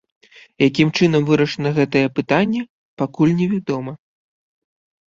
Якім чынам вырашана гэтае пытанне, пакуль невядома.